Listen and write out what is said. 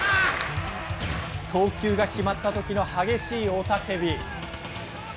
投球が決まったときの激しい雄たけび。